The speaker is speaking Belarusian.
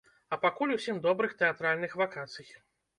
А пакуль усім добрых тэатральных вакацый!